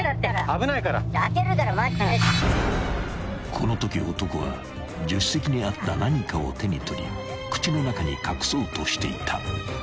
［このとき男は助手席にあった何かを手に取り口の中に隠そうとしていた］